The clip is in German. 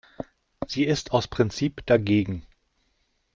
Sie ist aus Prinzip dagegen.